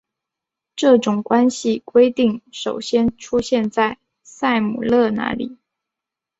这种关系规定首先出现在塞姆勒那里。